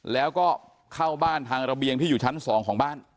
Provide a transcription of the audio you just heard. แล้วก็เข้าบ้านทางระเบียงที่อยู่ชั้น๒ของบ้าน